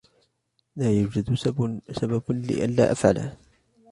لا يوجد سبب لئلا أفعله.